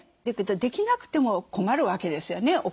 だけどできなくても困るわけですよね。